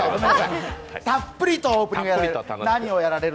たっぷりとオープニングをやられる。